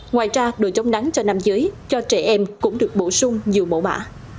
ngoài ra đồ chống nắng cho nam giới cho trẻ em cũng được bổ sung nhiều mẫu mã